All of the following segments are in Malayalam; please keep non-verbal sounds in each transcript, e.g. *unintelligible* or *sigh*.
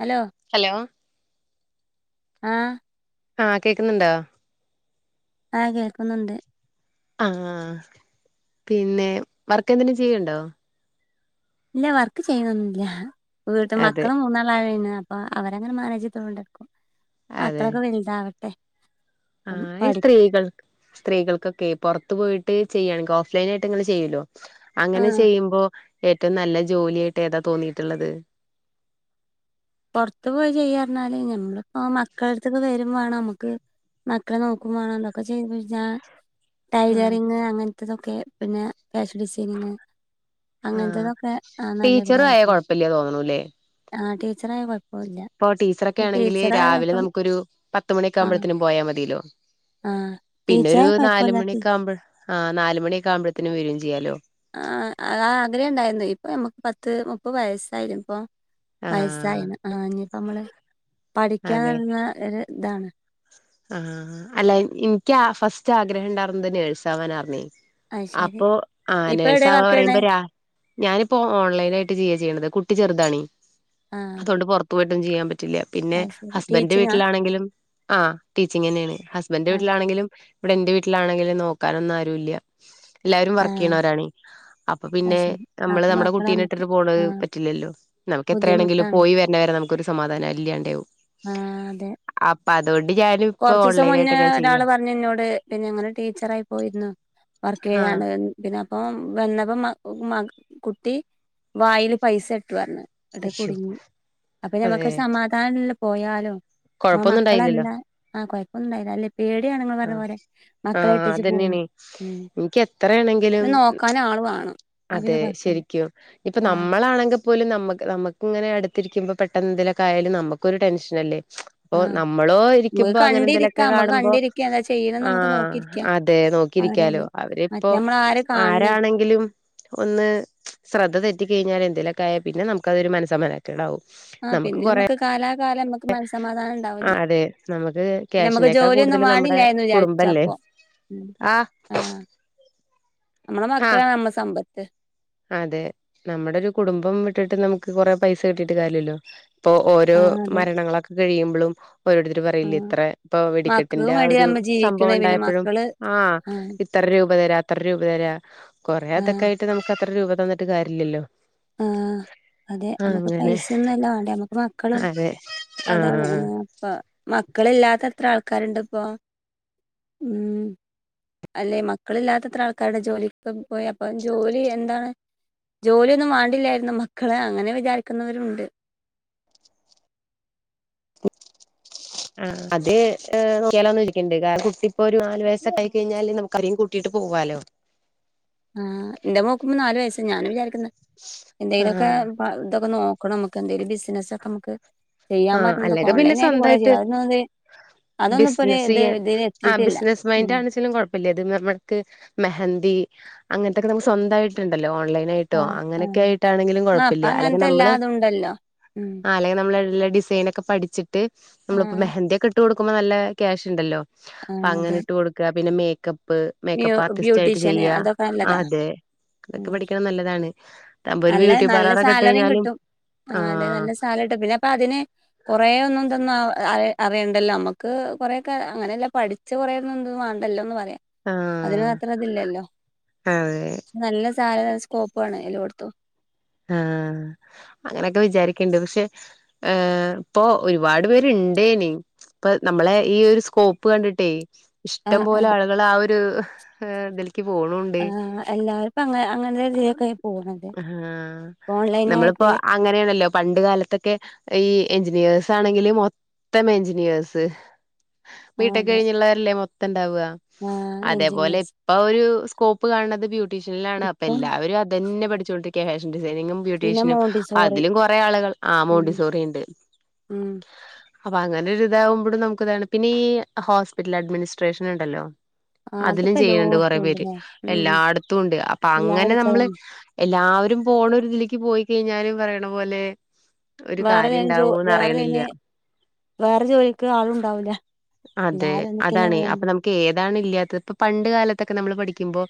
ഹലോ ഹലോ ആഹ് ആഹ കേക്കുന്നുണ്ടോ ആഹ് കേൾക്കുന്നുണ്ട് ആഹ് പിന്നെ വർക്ക് എന്തേങ്കും ചെയ്യണ്ടോ ഇല്ല വർക്ക് ചെയ്യുന്നൊന്നില്ല വീട്ട അതെ മക്കള് മൂന്നാള ആയാ പിന്നെ അപ്പ അവരങ്ങനെ മാനേജ്തൊണ്ടിരിക്കും അതെ മക്കളൊക്കെ വലുതാവട്ടെ അപ്പം ആഹ് പഠിപ്പ് സ്ത്രീകൾ സ്ത്രീകൾക്കൊക്കെ പുറത്തു പോയിട്ട് ചെയ്യുകയാണെങ്കിൽ ഓഫ്ലൈൻ ആയിട്ട് ഇങ്ങനെ ചെയ്യല്ലോ അങ്ങനെ ആഹ് ചെയ്യുമ്പോ ഏറ്റവും നല്ല ജോലിയായിട്ട് ഏതാ തോന്നിയിട്ടുള്ളത് പുൊറത്ത്ു പോയി ചെയ്യാ പറഞ്ഞാല് ഞമ്മളിപ്പോ മക്കളടുത്തൊക്കെ വരുമ്പോണ് നമ്മുക്ക് മക്കളെ നോക്കുമോണം എന്നൊക്കെ ചെയ്ത്ഴിഞ്ഞാൽ ആഹ് ടൈലറിങ് അങ്ങനത്തതൊക്കെ പിന്നെ ഫാഷൻ ഡിസൈനിങ് ആഹ് അങ്ങനത്തതൊക്കെ ആ ടീച്ചർ ആയ നല്ലൊരുതായിരുന്നു കുഴപ്പമില്ല തോന്നണൂല്ലേ ആ ടീച്ചറായി ഇപ്പൊ ടീച്ചറൊക്കെ ആണെങ്കില് രാവിലെ നമുക്കൊരു പത്ത് മണിയൊക്കെ ആഹ് ആവുമ്പഴേനും പോയാൽ മതിയല്ലോ ആഹ് പിന്നെരു ടീച്ചറായ നാല കൊഴപ്പല്ല മണിയ ടീ ഒക്കെ ആവുമ്പോ ആ് നാല മണിയൊക്ക ആവുമ്പോഴത്തേനും വരയും ചെയ്യാലോ ആഹ് ആ ആഗ്രഹം ഉണ്ടായിരുന്നു ഇപ്പൊ നമ്മുക്ക് പത്ത് മുപ്പത് വയസ്സായില്ലെ ഇപ്പൊ ആഹ് വയസായിന ആ ഇനിയിപ്പോ നമ്മള് പഠിക്കാനിന്ന ഒരു ഇതാണ് ആഹ അല്ല എനിക്ക് ഫസ്റ്റ് ആഗ്രഹം ഉണ്ടായിരുന്നത് നേഴ്സാവാനായിരുന്നേ അത് ശരി. അപ്പൊ ആഹ് ഇപ്പൊ എവിടെ നേഴ്സവാ വർക്ക് ചെയ്യണേ? പറയുമ്പോരാ ഞാനിപ്പോ ഓൺലൈൻ ആയിട്ട് ചെയ്യ ചെയ്യണത് കുട്ടി ചെറുതാണീ ആഹ് അതുകൊണ്ട് പുറത്ത് പോയിട്ടും ചെയ്യാൻ പറ്റില്ല പിന്നെ അത് ശരി ഹസ്ബൻഡന്റെ ടീച്ചിങ്ങാ? വീട്ടിലാണെങ്കിലും ആഹ് ഇങ്ങനെയാണ് ഹസ്ബൻറ് ആഹ് വീട്ടിലാണെങ്കിലും ഇവിടെ എന്റെ വീട്ടിലാെങ്കിലും നോക്കാനൊന്നും ആരു ഇല്ല എല്ലാരും വർക്ക് ആഹ് ചെയ്യണവരാണ് അപ്പൊ അത് പിന്നെ ശരി നമ്മള് അപ്പൊ നമ്മുടെ മക്കളെ കുട്ടീനെ നമ്മക്ക് ഇട്ടിട്ട് പോണ ആഹ് പറ്റില്ലല്ലോ നമുക്ക് എത്രയാണെങ്കിലും ബുദ്ധിമുട്ടാണ് പോയി വരാ പിന്നെ വരെ നമുക്ക് ഒരു സമാധാനം ഇല്ലാണ്ടാവും ആഹ് അതെ അപ്പ അതൊണ്ട് കൊറച്ച ദിവസം മുന്നേ ഒരാള് പറഞ്ഞു ഇന്നോട് പിന്നെ ങ്ങൾ ടീച്ചറായി പോയിരുന്നു വർക്ക് ആഹ് ചെയ്യാൻ പിന്നെ അപ്പൊ വന്നപ്പോ മ മ കുട്ടി വായിൽ പൈസ ഇട്ടു പറഞ്ഞു ന്നിട്ട് അശ്ശോ കുടുങ്ങി അപ്പൊ അതെ നമ്മുക്ക് ഒരു സമാധാന നിൽ പോയാലോ കൊഴപ്പൊന്നും ഉണ്ടായില്ലല്ലോ മക്കളന്നല്ല ആ കൊഴപ്പൊന്നണ്ടായി പേടിയാണ് നിങ്ങൾ പറഞ്ഞ ആഹ് പോലെ മക്കളെ ആഹ് ഇട്ടച്ച് പോവും അതന്നെയാണേ എനിക്ക് എത്രയാണെങ്കിലും പിന്നെ നോ ക്കൻ ആൾ വേണം ആ പിന്നെ അതെ കൊഴപ്പല്ല ശരിക്കും ഇപ്പൊ ആ നമ്മളാണെങ്കിൽ പോലും ന നമ്മുക്ക് ഇങ്ങനെ അടുത്തിരിക്കുമ്പോ പെട്ടന്നെന്തെങ്കിലൊക്കെയാലും നമുക്കൊരു ടെൻഷൻ അല്ലേ അപ്പൊ ആ നമ്മളോ നമുക്ക് ഇരിക്കുമ്പോ അങ്ങനെ എന്തെങ്കലുമൊക്കെ കണ്ടിരിക്കാം നമുക്ക് കാണുമ്പോ കണ്ടിരിക്കാം എന്താ ചെയ്യണന്ന് നമുക്ക് ആഹ നോക്കിയിരിക്കാം അതെ അവരെ നോക്കിയിരിക്കാലോ അതെ അവരിപ്പോൊ മറ്റേ നമ്മൾ ആര് കാണ് ആരാണ് ിലും ഒന്ന് ശ്രദ്ധ തെറ്റ കഴിഞ്ഞാല് എന്തേലൊക്കായാല്ആ പിന്നെ നമുക്കതൊരു മനസ്സമാധാന് കേടാവു ആഹ പിന്നെ നമ്മുക്ക് കാലാകാലം നമുക്ക് മനസ്സമാധാനം ആ ഉണ്ടാവില്ല അതെ നമുക്ക് പിന്നെ നമുക്ക് ക്യാഷിനക്കാ ജോലിയൊന്നും കൂടുതല നമ്മുടെ വേണ്ടില്ലായിരുന്നു വിചാരിച്ചു കുടുംബല്ലേ. ആഹ. നമ്മടെ ആഹ് മക്കളാണ് നമ്മള സമ്പത്ത്. അതെ നമ്മുടെ ഒരു കുടുംബം വിട്ടിട്ട് നമുക്ക് കൊറെ പൈസ കിട്ടിട്ട് കാര്യല്ലോ. ഇപ്പോൊ ഓരോ ആ അതെ മരണങ്ങളൊക്കെ കഴിയുമ്പോളും ആ പറയില്ല ഇത്ര ഇപ്പൊ മക്കൾക്ക് വെടിക്കെട്ടിന്റെ വേണ്ടി ഒരു നമ്മ സംഭവം ജീവിക്കണേ പിന്നെ ഉണ്ടായപ്പോഴും മക്കള് ആഹ. ആ ഇത്ര രൂപ തരാ അത്ര രൂപ തരാ. കൊറേ ആ അതൊക്കെ ആയിട്ട് നമുക്ക് അത്ര രൂപ തന്നിട്ട് കാര്യമില്ലല്ലോ. ആഹ. അതെ നമ്മുക്ക് പൈസൊന്നുംല്ല വേണ്ടേ നമ്മുക്ക് മക്കളും അതെ അതാണ്. ആഹ് അപ്പ മക്കള് ഇല്ലാത്ത അത്ര ആൾക്കാരുണ്ട് അപ്പൊ. ഉം അല്ലെ മക്കള ഇല്ലാത്തത്ര ആൾക്കാരുടെ ജോലി. ഇ പോ അപ്പ ജോലി എന്താണ് ജോലി. ഒന്നും വാണ്ടില്ലായിരുന്നു മക്കളെ അങ്ങനെ വിചാരിക്കുന്നവരുണ്ട്. *inaudible* ആഹ് അത് നോക്കിയാലോ കേന്നിരിക്കണ്ട് കാരണം ഇ ഇപ്പൊ ഒരു നാല് വയസ്സൊക്ക കഴിഞ്ഞാല് ന. കയും കൂട്ടിട്ട് പോവാലോ. ആഹ് എന്റെ നോക്കുമ്പോ നാല് വയസ്സ് ഞാനും വിചാരിക്കുന്ന എന്തെങ്കിലൊക്കെ. ആഹ് ഇതൊക്കെ നോക്കണം നമുക്ക് എന്തേലും ബിസിനസ ഒക്കെ നമുക്ക്. ചെയ്യാൻ ആഹ് പറ്റുന്നതൊെ അല്ലെങ്കി പിന്നെ ഓൺലൈൻ ആയിട്ട് കുറേ സ്വന്തായിട്ട് ചെയ്യ അന്ന്. അതൊന്നും ഇപ്പോൊ ഒരു ബിസിനസ് ഇത് ചെയ്യാൻ ഇതി എത്തിട്ടില്ല ഉ. വലത്മ്മക്ക് മെഹന്തി അങ്ങനത്തൊക്കെ നമുക്ക് സ്വന്തായിട്ടുണ്ടല്ലോ ഓൺലൈൻ. *inaudible* ആഹ് ആഹ് ആഹ് ഇപ്പ അക്കെെങ്കിലഴ അങ്ങനത്തെ എല്ലാതും ഉണ്ടല്ലോ ഉം നമ്മ ന ൊക്കെ പഠിച്ചിട്ട് നമ്മളി ആഹ് മെഹന്തിൊക്കെ ഇട്ട് കൊടുക്കുമ്പോ നല്ല ക്യാഷ് ഉണ്ടല്ലോ. ആ അപ്പൊ അങ്ങനെ അതെ ഇട്ട് കൊടുക്ക പിന്നെ മേക്കപ്പ്. ബ്യൂ മേക്കപ്പ് ആർട്ടിസ്റ്റ് ആയിട്ട് ബ്യൂട്ടീഷ്യന് ചെയ്യ അതൊക്കെ നല്ലതാ അതെ അതൊക്കെ ഉം പഠിക്കണ നല്ലതാണ്. ഒരു നല്ല ബ്യൂട്ടി നല്ല പാർലറൊക്കെ ഇട്ട് സാലറിയും കഴിഞ്ഞാലും കിട്ടും ആ അതെ നല്ല സാലറി കിട്ടും പിന്നെ അപ്പ അതിന്. കുറെേ ഒന്നും എന്തൊന്നും അ അറിയണ്ടല്ലോ നമ്മുക്ക് കൊറെേക്കെ അങ്ങനെയല്ല പഠി പച്ചറേ എ വേണ്ടല്ലോന്ന് പറയാം. ആ അതിന് മാത്രം അതില്ലല്ലോ അതെ നല്ല സാല നല്ല സ്കോപ്പ്ണ് എല്ലോട്ത്തും. ആഹ അങ്ങനെയൊക്കെ വിചാരിക്കണ്ട് പക്ഷെ. ഏ ഇപ്പൊ ഒരുപാട് പേരുണ്ടേനി. ഇപ്പ നമ്മളെ ഈ ഒരു സ്കോപ്പ് കണ്ടിട്ടേ. ആ ഇഷ്ടം ആ പോലെ ആളുകൾ ആ ഒരു ഇതിൽക്ക് പോണ ണ്ട്. ആ എല്ലാവർപ്പും അ അങ്ങന രീതിൊക്കെ പോകണല്ലേ. ആഹ് നമ്മളിപ്പോ അങ്ങനെയാണല്ലോ പണ്ട് കാലത്തൊക്കെ ഈ എഞ്ചിനീയേർസ് ആണെങ്കില് മ. ഉത്തമ എഞ്ചിനീയർസ്. ആ ബീ ടെക് അതെ കഴിഞ്ഞുള്ളവരെല്ലേ മൊത്തം ഇണ്ടാവുക ആ അതേപോലെ. എഞ്ചിനീയേഴ്സ് അപ്പൊ ഒരു സ്കോപ്പ് കാണുന്നത് ബ്യൂട്ടീഷ്യനിലാണ് അപ്പൊ ഇപ്പം എല്ലാവര അതന്നെ പഠിച്ചോണ്ടിരിക്കയാണ് ഫാഷൻ ഡിസൈനിങ്ങും. പിന്നെ ബ്യൂട്ടീഷനും മോണ്ടിസോറി അതിലും കൊറെേ ആളുകൾ ആഹ ഉം മോണ്ടിസോറി ഉണ്ട്. ഉം അപ്പൊ അങ്ങനെൊരി ഇതാവുമ്പോഴും നമുക്ക് ഇതാണ് പിന്നെ ഈ ഹോസ്പിറ്റൽ അഡ്മിനിസ്ട്രേഷൻ ഉണ്ടല്ലോ. ആ, അതിലും അതിപ്പോ ചെയ്യ്ണ്ട് കൊറെ എല്ലോടത്തും പേര്. ഉണ്ടല്ലേ ഉം എല്ലാട്ത്തുണ്ട്. അപ്പൊ അങ്ങനെ നമ്മള് എല്ലായിടത്തും എല്ലാവരും പോണൊര്തിലേക്ക് പോയി കഴിഞ്ഞാലും പറയണ പോലെ ഒരു കാര്യം വേറെയെൻജൊ ഉണ്ടാവൂന്ന് വേറൊര് അറിയണില്ല *unintelligible* വേറൊര് ജോലിക്ക് ആള് ണ്ടാവൂല. ല്ലാരും ഒന്നിക്കന്നെ ഏഹ്. അപ്പൊ പോകുമ്പോ നമുക്ക് ഏതാണ് ഇല്ല്യാത്തെ. പ്പൊ പണ്ട് കാലത്തൊക്കെ നമ്മള് പഠിക്കുമ്പൊ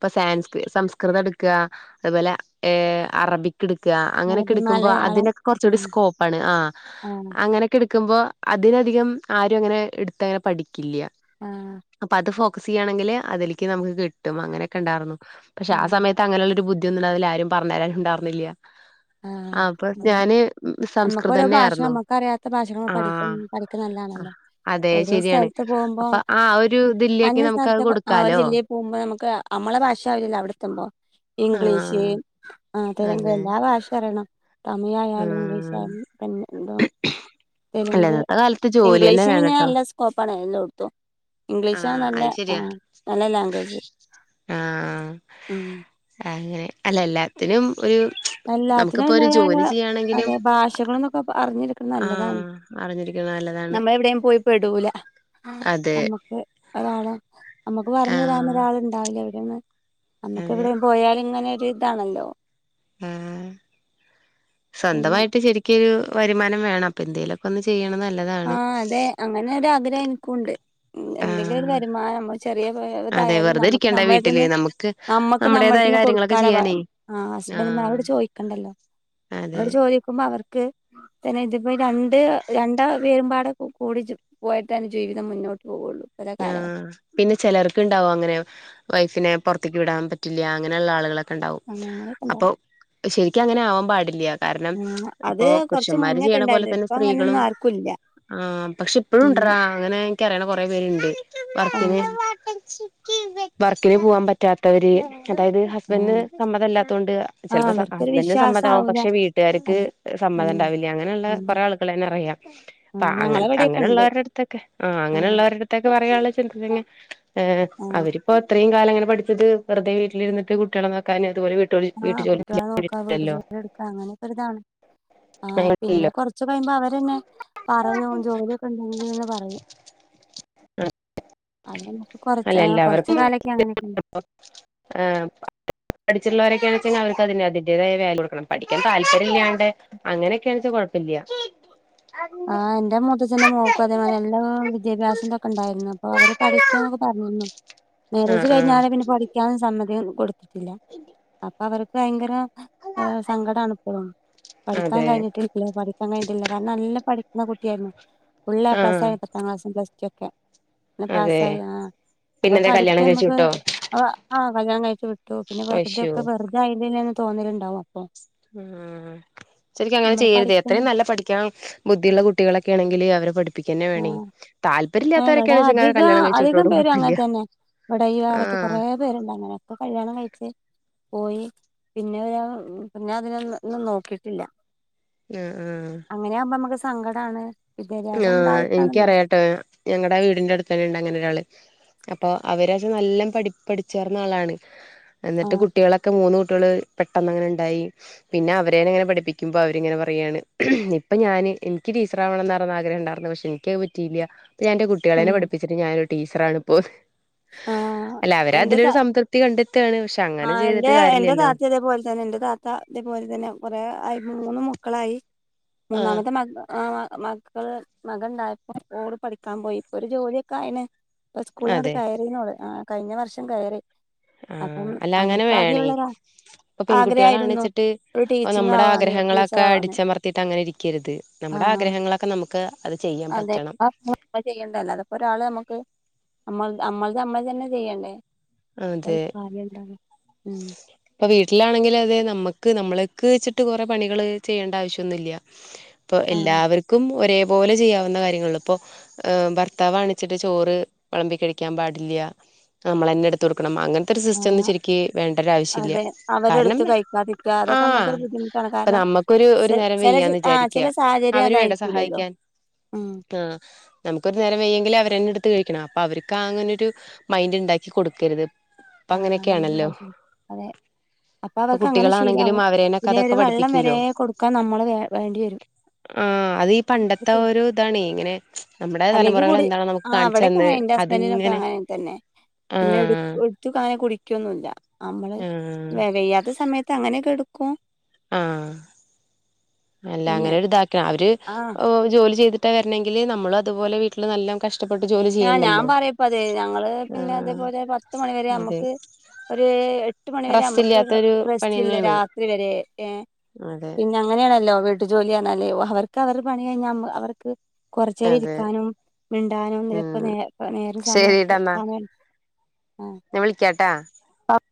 പ്പൊ സാൻസ്ക്രി സംസ്കൃതം ട്‌ക്കാ. അതുപോലെ ഏഹ് അറബിക് ക്ക്ട്ക്കാ. അങ്ങനെയൊക്കെ അറബി ട്ക്കുമ്പൊ മലയാളം അതിനൊക്കെ കൊർച്ചൂടി ഉം സ്കോപ്പാണ്. ആഹ് ആഹ് അങ്ങനെ ക്കെട്ക്കുമ്പൊ അതിനധികം ആരും അങ്ങനെ എടുത്തങ്ങനെ പഠിക്കില്ല്യാ. ആഹ് അപ്പൊ അത് ഫോക്കസെ യ്യാണെങ്കില് അതിലേക്ക് നമുക്ക് കിട്ടും. അങ്ങനെയൊക്കെണ്ടാർന്നു. പക്ഷെ ആ ആഹ് സമയ.... ത്തങ്ങനെയൊരു ബുദ്ധിയൊന്നുല്ല്യ. അതില് ആരും പർഞ്ഞെരാനും ണ്ടാർന്നില്ല്യാ. ആഹ് അപ്പൊ ഞാന് നമ്മുക്ക് ഓരോ സംസ്കൃതം ഭാഷ ന്നെയാർന്നു. നമ്മുക്ക് അറിയാത്ത ഭാഷകൾ പഠിക്ക ആഹ് പഠിക്കുന്നത് നല്ലതാണല്ലോ അഹ് അതെ അത് എവിടെ ശരിയാണ്. സ്ഥലത്ത് പോകുമ്പോ അപ്പൊ ആ ഒര് തില്ലായിക്കെ നമുക്ക് അത് കൊട്ക്കാലോ. പിന്നെ നമുക്ക് അ അമ്മളെ നമ്മളെ ഭാഷ ആ പൂലല്ലൊ അവിടെത്തുമ്പൊ. ഇംഗ്ലീഷ്... ആഹ് അതെന്നെ അതെ എല്ലാ ഭാഷ അറിയണം. തമിഴ് ആയാലും, ഇംഗ്ലീഷ് ആഹ് ആണ് *unintelligible* ന്തോ അല്ല തെല്ങ്ക്, ഇന്നത്തെ കാലത്ത് ജോലി തന്നെ ഇംഗ്ലീഷും പിന്നെ വേണട്ടോ നല്ല സ്കോപ്പാണ് എല്ലോട്ത്തും. ഇംഗ്ലീഷാ ആഹ് നല്ല അത് ശരിയാ ആഹ് നല്ല ലാംഗേജ്. ആഹ് ഉം അങ്ങനെ അല്ല എല്ലാത്തിനും ഒരു എല്ലാത്തിനും നമുക്കിപ്പോ ഒരു അതിൻ്റെതായ ജോലി ചെയ്യാണെങ്കിലും അതെ ഭാഷകളന്നൊക്കെ പ അറിഞ്ഞി നല്ലതാണ്. ആഹ് അറിഞ്ഞിരിക്കണ നല്ലതാണ് നമ്മള് എവിടെയും പോയി പെടൂല. ആഹ് അതെ അമ്മക്ക് ഒരാളൊ അമ്മക്ക് പർഞ്ഞെരാനൊ ആഹ് രാള് ണ്ടാവില്ല എവ്ടെന്ന്. അമ്മക്ക് അതെ എവിടെ പോയാല് ങ്ങനൊര് താണല്ലൊ. ആഹ് പിന്നെ സ്വന്തമായിട്ട് ശരിക്കെരു വരുമാനം വേണം. അപ്പൊ എന്തേലൊക്ക ഒന്ന് ചെയ്യണംന്ന... ആഹ് അതെ. അങ്ങനെ ഒരാ ഗ്രഹം എൻക്കുണ്ട്. ഉം. എന്തെങ്കിലൊര് ആഹ് വരുമാനം അമ്മള് ചെറിയൊര്തായാലും അതെ തായാലും വെറുതെ നമുക്ക് ഇരിക്കണ്ട വീട്ടില് നമ്മളെട്ത്ത്ന്ന് നമുക്ക് നമ്മക്ക് നമ്മടെ നമ്മുടേതായ ട്ത്ത്ന്ന് കാര്യങ്ങളൊക്കെ കൊട്ക്കാനാ ബാ ചെയ്യാനേ ആഹ് ഹസ്ബെൻ്റ് ആഹ് മാരോട് ചോയിക്കണ്ടല്ലൊ. അതെ അവരോട് പോയിക്കുമ്പ അവർക്ക് പിന്നെ ഇത്പ്പൊ രണ്ട്, രൺ *unintelligible* വേരുമ്പാട കൂ കൂടി ചും പോയിട്ടെൻ ജീവിതം മുന്നോട്ട് പോവൊള്ളു. ഇപ്പത്തെ ആഹ് കാലഘട്ടത്തി... പിന്നെ ചെലർക്ക്ണ്ടാവും അങ്ങനെ വൈഫിനെ പൊർത്ത്ക്ക് വിടാം പറ്റില്ല്യാ അങ്ങനെയുള്ള ആള്കളെ..... ക്കെണ്ടാവും. അങ്ങനെയൊക്കെ അപ്പൊ ഉണ്ടാവും ശരിക്കും അങ്ങനെ ആവാം പാടില്ല്യ. കാരണം ആഹ് അത് പ്പൊ കൊറച്ച് പുരുഷന്മാര് മുന്നൊക്കെ ചെയ്യണ പോലെ ഉണ്ടായിരുന്നു തന്നെ ഇപ്പൊ സ്ത്രീകളും അങ്ങനെയൊന്നും ആർക്കും ഇല്ല ആഹ് പക്ഷെ പ്പെഴും ഉണ്ട ഉം ടടാ. അങ്ങനെ ഇൻക്കറിയണ കൊറെേ പേര്ണ്ട്. വർക്കിന് ആഹ് വർക്ക്ന് പോവാം പറ്റാത്തവര്. അതായത് ഹസ്ബൻ്റിന് ആഹ് സമ്മതമല്ലാത്തോണ്ട് ആഹ് ചെൽപ്പൊ സ അവർക്കൊരു ഹസ്ബൻ്റിന് വിശ്വാസം സമ്മതാവും. ആവൂല പക്ഷെ വീട്ടാര്ക്ക് അത് സമ്മതം ഉം ണ്ടാവില്ല്യ. അങ്ങനെയുള്ള ഉം കൊറേ ആളുകൾ എന്നെ അറിയാം. പ്പ ആഹ് അങ്ങ ഞങ്ങളെവിടെയൊക്കെ ഉണ്ട് അങ്ങനെള്ളവര്ടെ അട്.... ത്തൊക്കെ ആഹ് അങ്ങനെയുള്ളവര്.... ത്തൊക്കെ പറയാൻള്ളെച്ചാ ത്‌തന്യാ. ഏഹ് അവരിപ്പൊ ത്രയും കാലം ങ്ങനെ പഠിച്ചത് വെറ്തെ വീട്ടിലിര്ന്ന്ട്ട് കുട്ട്യളെ നോക്കാനാ ത് *unintelligible* ആഹ് കുട്ടികളെ നോക്കാ, വീട് ജോലി എടുക്കാ അങ്ങനെയൊക്കെര്താണ്. ആഹ് ല്ലോ പിന്നെ കൊറ്ച്ച് കഴിയുമ്പ അവരെന്നെ പറയും ജോലിയൊക്കെ ണ്ടെങ്കീന്ന് പറയും. *inaudible* അതെന്നെ. പ്പൊ കൊറച്ച് ആഹ് കൊറച്ച കാലൊക്കെ അങ്ങനെയൊക്കെ.... ആഹ് പഠിച്ചട്ടുള്ളവരൊക്കെയണ വെച്ചെങ്കിൽ അവർക്ക് അതിന്തിന്റോയാലല് കൊടുക്കണം പഠാൻ താല്പര്യമില്ലാണ്ട് അങ്ങനെയൊക്കെയാണച്ചൽ കുഴപ്പില്ല ആ എന്റെ മുത്തഛ്ന്റെ മോക്കും അതേമാതിരി എല്ലും വിദ്യാഭ്യാസം തൊക്കെണ്ടായിരുന്നു അപ്പൊ അവര് പഠിക്കാന്നൊക്കെ പറഞ്ഞിരുന്നു ആഹ് മാരേജ് ആഹ് കഴിഞ്ഞാല് പിന്നെ പഠിക്കാും സമ്മതി കൊടുത്തിട്ടില്ല അപ്പൊ അവർക്ക് ഭയങ്കര ഏ സങ്കട ആണ ഇപ്പോഴും പഠിക്കാൻ അതെ കഴിഞ്ഞിട്ടില്ലോ പഠിക്കാൻ കഴിഞ്ഞിട്ടില്ല കാരണം നല്ല പഠിക്കുന്ന കുട്ടിയായിരുന്നു ഫുള്ള് എ പ്ലസ് ആഹ് ആയിരുന്നു പത്താംക്ളാസ്സും പ്ലസ് റ്റും ക്കെ അതെ പാസ്സായി ആ അപ്പൊ പിന്നെന്താ പഠിപ്പ കല്യാണം കഴിച്ചു നമ്മക്ക് വിട്ടോ അ ആ കല്യാണം കഴിച്ചു വിട്ടു പിന്നെ വെറുതെ അയ്ശോ ഒക്കെ വെറുതെ ആയില്ലന്ന് തോന്നലുണ്ടാവും അപ്പൊ ഉ ശരിക്കും അങ്ങനെ നമ്മള് ചെയ്യരുത് എത്രയും പഠിക്കുന്ന നല്ല പഠിക്കൻ ബുദ്ധിയുള്ള കുട്ടികളൊക്കെ ആണെങ്കിൽ അവരെ പഠിപ്പിക്കന്ന വേണയ് താ ആ ഇവിടെ അധികം അധികം പേര് കുഴപ്പല്ല അങ്ങനെ തന്നെ ഇവിടെ ഈ ഭാലത്ത് ആഹ് കുറെ പേരുണ്ടങ്ങനെ ഒക്കെ കല്യാണം കഴിച്ചച്ച് പോയി പിന്നെ ഒ ഞാൻ പിന്നെഅതിന ഒന്നും നോക്കിട്ടില്ല ആഹ് ആഹ് അങ്ങനാവുമ്പോ നമ്മക്ക് സങ്കടാണ് വിദ്യാഭ്യാസം ആഹ് ഉണ്ടായിട്ടാണല്ലോ എനിക്കറിയട്ടോ ഞങ്ങടെ വീടിന്റെ അടുത്ത്ന്നെ ഉണ്ട് അങ്ങനെ ഒരാള് അപ്പൊ അവരാദ്യം നല്ല പഠി പഠിച്ചേർന്ന ആളാണ് എന്നിട്ട് ആഹ് കുട്ട്യേളൊക്കെ മൂന്ന് കുട്ട്യോള് പെട്ടന്നങ്ങനെ ണ്ടായി പിന്നെ അവരേനങ്ങനെ പഠിപ്പിക്കുമ്പോ അവരിങ്ങനെ പറയാണ് ഇപ്പ ഞാൻ എനിക്ക് ടീച്ചറാവണന്ന ആഗ്രഹം ണ്ടാർന്ന് പക്ഷെ എനിക്കത് പറ്റിയില്ല പ്പോ ഞാൻന്റെ കുട്ടിളെനെ പഠിപ്പിച്ചിട്ട്ഞാനരു ടീച്ചറാണ് ഇപ്പോ ആഹ് അല്ല എന്റെ ത അവര്തിലൊരു സംതൃപ്തി കണ്ടെത്താണ് പക്ഷെ അങ്ങനെ ആഹ് എന്റെ ചെയ്തിട്ട് എന്റെ കാര്യല്ലല്ലോ താത്ത ഇതേപോലെ ന്നെ ന്റെ താത്ത തേപോൽതന്നെ കൊറേ മൂന്ന് മക്കളായി ആഹ് മൂന്നാമത്തെ മക ആ മകള് മകൻണ്ടായപ്പോ ഓള് പഠിക്കാൻ പോയി ഇപ്പൊ ഒരു ജോലിയൊക്കെ ആയിന് പ്പ സ്കൂളങ്ങട്ട് അതെ കയറീന് ഓള് കഴിഞ്ഞ വർഷം കയറി അപ്പം ആഹ് അല്ല അങ്ങനെ അവൾക്ക് ആദ്യേ വേണേ ഉള്ള ഇപ്പൊ ആഗ്രഹായിരുന്നു പെൺകുട്ടികളാണച്ചിട്ട് ഒരു ടീച്ചിങ് നമ്മടെ ആവാന്ന് ടീച്ചർ ആഗ്രഹങ്ങളക്കെ ആവാന്ന് അടിച്ചമർത്തിട്ട് അങ്ങനെ ഇരിക്കര്ത് നമ്മ ടെ ആഗ്രഹങ്ങളൊക്കെ നമുക്ക് അത് ചെയ്യാൻ അതെ പറ്റണം *unintelligible* പ്പംചെയ്യണ്ടേ അല്ലാതപ്പോ ഒരാള് നമ്മക്ക് നമ്മൾ നമ്മൾ ത് നമ്മളന്നെ ചെയ്യണ്ടേ *unintelligible* ഉം പ്പ വീട്ടിലാണെങ്കിലു അതെ നമ്മക്ക് നമ്മളക്ക്ച്ച്ട്ട് കൊറേ പണികള് ചെയ്യേണ്ട ആവശ്യം ഒന്നുല്ല പ്പൊ ആഹ് എല്ലാവർക്കും ഒരേപോലെ ചെയ്യാവുന്ന കാര്യങ്ങളള്ളു പ്പൊ ഭർത്താവാണിച്ചിട്ട് ചോറ് വിളമ്പി കഴിക്കാൻ പാടില്ല നമ്മളന്നെ ട് ത്തൊട്ക്കണം അങ്ങനെ ത്തൊരു സിസ്റ്റം ഒന്നും ആഹ് ശരിക്ക് വേണ്ട ഒരു ആവശ്യംല്ല അതെ കാരണം അവരെടുത്ത് കഴിക്കാതിരിക്കുക ആ അതൊക്കെ നമ്മുക്കൊരു ബുദ്ധിമുട്ടാണ് ഇപ്പ കാരണം നമ്മക്ക് ഒരു ഒരു ചെ നേരം ചെല വെയ്യാന്ന് ആഹ് വിചാരിക്ക ചില സാഹചര്യം അവര് വേണ്ട അതായിരിക്കൂലല്ലോ സഹായിക്കാൻ ഉം ആഹ് നമുക്കൊരു നേരം വെയ്യെങ്കിൽ അവരന്നെടുത്ത് കഴിക്കണം അപ്പൊ അവർക്ക് അങ്ങനെൊരു മൈൻഡ് ണ്ടാക്കി കൊടുക്കരുത് ഇപ്പൊ ആ അങ്ങനെയൊക്കെയാണല്ലോ *unintelligible* അതെ അപ്പൊ ഇപ്പൊ അവർക്ക് അങ്ങനെ കുട്ടികളാണെങ്കിലും ശീലാവും അവരേനൊക്കെ പിന്നെ അതൊക്കെ ഒരു വെള്ളം വരെ പഠിപ്പിക്കൂലോ കൊടുക്കാൻ നമ്മൾ വ വേണ്ടി വരും ആ അതീ പണ്ടത്തെ ഒരു താണ് ഇങ്ങനെ നമ്മടെ അല്ലെങ്കി തലമുറകൾ കൂടി എന്താണോ നമുക്ക് ആഹ് ഇവിടെക്കെ കാണിച്ചന്ന് അങ്ങനെ എന്റെ ഹസ്ബൻഡിനൊക്കെ അതിങ്ങനെ അങ്ങനെ തന്നെ പിന്നെ എടു ആഹ് എടുത്ത് താനേ കുടിക്കൊന്നുല്ല നമ്മള് ആഹ് വ വെയ്യാത്ത സമയത്ത് അങ്ങനെക്കെ ട്ക്കും ആഹ് അല്ല പിന്നെ അങ്ങനെ ഒരു താക്ക അവര് ആഹ് ജോലി ചെയ്തിട്ട വരണമെങ്കി നമ്മളും അതുപോലെ വീട്ടില് നല്ല കഷ് ടപ്പെട്ട് ജോലി ആഹ് ഞാൻ ചെയ്യണ്ടല്ലോ പറയപ്പത്, ഞങ്ങള് പിന്നെ ആഹ് അതേപോലെ പത്ത്മണിവരെ അതെ അമ്മക്ക് ഒരു എട്ട് മണിവരെ റസ്റ്റ് നമ്മുക്കൊരു ഇല്ലാത്തൊരു പണി റെസ്റ്റ്ല്ല തന്നെയാണ് രാത്രി വരെ അതെ ഏഹ് അങ്ങനേണല്ലോ വീട്ടു ജോലിർഞ്ഞാൽ അവർക്ക് അവരെ പണി കഴിഞ്ഞാ അവർക്ക് കൊർച്ചേര അതെ ഇരിക്കാനും മിണ്ടാനും ഇതിലക്കെ ഉം നേ നേര സമയ ശരിട്ടാ എന്നാ സമയം ആഹ് ഞാൻ വിളിക്കാട്ടാ ആഹ്